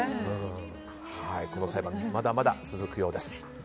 この裁判、まだまだ続くようです。